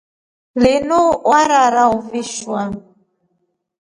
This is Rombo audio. Linu warara uvishwa.